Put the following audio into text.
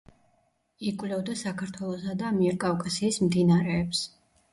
იკვლევდა საქართველოსა და ამიერკავკასიის მდინარეებს.